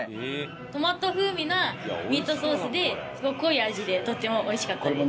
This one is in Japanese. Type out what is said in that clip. トマト風味なミートソースで濃い味でとっても美味しかったです。